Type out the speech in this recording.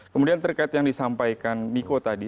kemudian terkait yang disampaikan miko tadi